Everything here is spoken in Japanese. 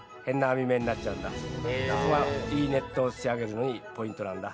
そこがいいネットを仕上げるのにポイントなんだ。